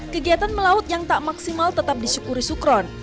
kegiatan melaut yang tak maksimal tetap disyukuri sukron